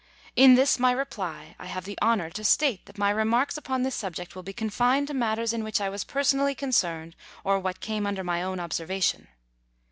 In this my reply I have the honour to state that my remarks upon this subject will be confined to matters in which I was personally concerned or what came under my own observation.